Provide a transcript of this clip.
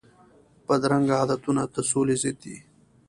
بدرنګه عادتونه د سولي ضد دي